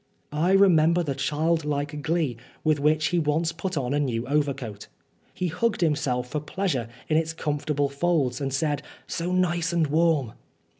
I remember the childlike glee with which he once put on a new overcoat. He hugged himself for pleasure in its comfortable folds and; said, " So nice and warm."